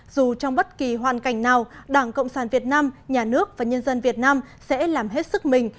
dù trong bất kỳ hoàn cảnh nào đảng cộng sản việt nam nhà nước và nhân dân việt nam sẽ làm hết sức mình